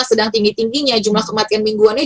sedang tinggi tingginya jumlah kematian mingguannya